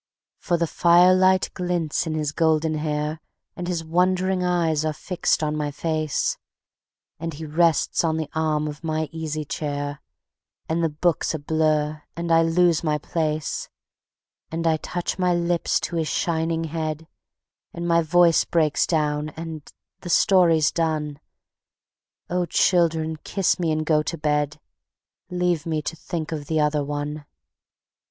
For the firelight glints in his golden hair, And his wondering eyes are fixed on my face, And he rests on the arm of my easy chair, And the book's a blur and I lose my place: And I touch my lips to his shining head, And my voice breaks down and the story's done. ... Oh, children, kiss me and go to bed: Leave me to think of the Other One.